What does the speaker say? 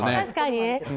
確かにね。